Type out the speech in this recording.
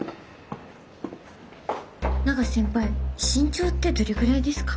永瀬先輩身長ってどれぐらいですか？